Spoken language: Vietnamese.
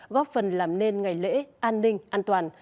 góp phần làm nên ngày lễ an ninh an toàn